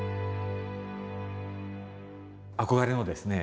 憧れのですね